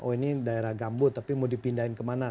oh ini daerah gambut tapi mau dipindahin kemana